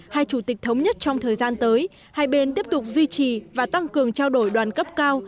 hai chủ tịch thống nhất trong thời gian tới hai bên tiếp tục duy trì và tăng cường trao đổi đoàn cấp cao